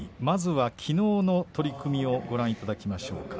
まずはきのうの取組をご覧いただきましょう。